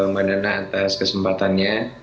mbak dana atas kesempatannya